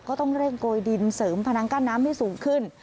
ก็ต้องเร่งโกยดินเสริมพนังกั้นน้ำให้สูงขึ้น